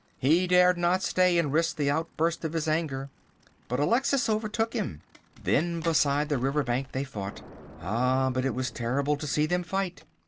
he dared not stay and risk the outburst of his anger. But Alexis overtook him. Then beside the river bank they fought. Ah! but it was terrible to see them fight.